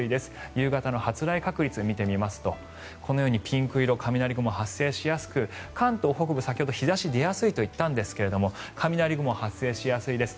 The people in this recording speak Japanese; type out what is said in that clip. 夕方の発雷確率を見てみますとこのようにピンク色雷雲が発生しやすく関東北部、日差しが出やすいといったんですが雷雲が発生しやすいです。